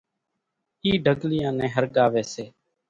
اِِي ڍڳليان نين ۿرڳاوي سي،